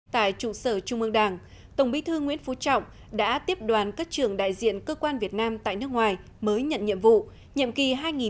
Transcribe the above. tại trụ sở trung ương đảng tổng bí thư nguyễn phú trọng đã tiếp đoàn các trưởng đại diện cơ quan việt nam tại nước ngoài mới nhận nhiệm vụ nhiệm kỳ hai nghìn một mươi năm hai nghìn hai mươi năm